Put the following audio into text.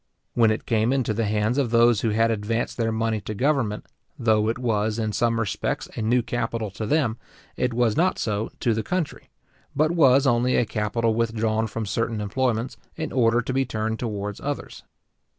When it came into the hands of those who had advanced their money to government, though it was, in some respects, a new capital to them, it was not so to the country, but was only a capital withdrawn from certain employments, in order to be turned towards others.